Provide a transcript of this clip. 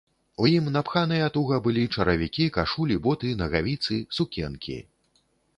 У ім, напханыя туга, былі чаравікі, кашулі, боты, нагавіцы, сукенкі.